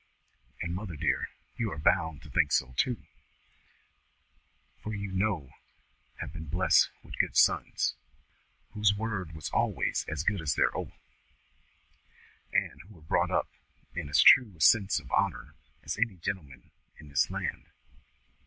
And, mother dear, you are bound to think so too, for you know you have been blest with good sons, whose word was always as good as their oath, and who were brought up in as true a sense of honour as any gentleman in this land.